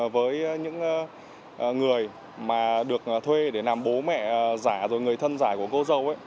với những người mà được thuê để làm bố mẹ giả rồi người thân giả của cô dâu